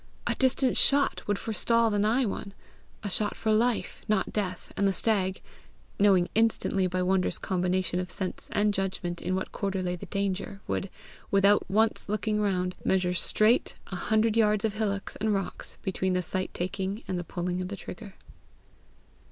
a distant shot would forestall the nigh one, a shot for life, not death, and the stag, knowing instantly by wondrous combination of sense and judgment in what quarter lay the danger, would, without once looking round, measure straight a hundred yards of hillocks and rocks between the sight taking and the pulling of the trigger.